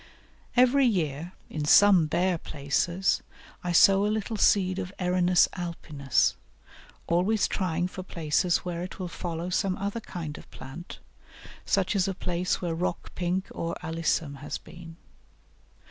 Every year, in some bare places, I sow a little seed of Erinus alpinus, always trying for places where it will follow some other kind of plant, such as a place where rock Pink or Alyssum has been.